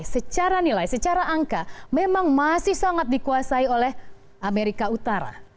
secara nilai secara angka memang masih sangat dikuasai oleh amerika utara